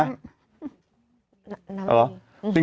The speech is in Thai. น้ำมี